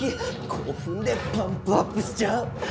こうふんでパンプアップしちゃう。